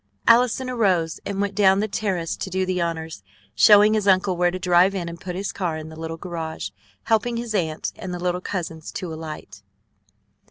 Allison arose and went down the terrace to do the honors, showing his uncle where to drive in and put his car in the little garage, helping his aunt and the little cousins to alight.